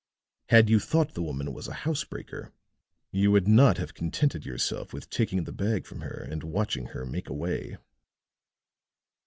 Had you thought the woman was a housebreaker, you would not have contented yourself with taking the bag from her and watching her make away."